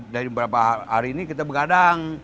dari beberapa hari ini kita begadang